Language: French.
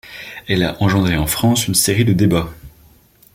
Elle a engendré en France une série de débats.